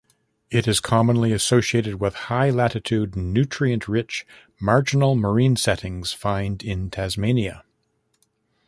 It is commonly associated with high-latitude, nutrient-rich, marginal marine settings find in Tasmania.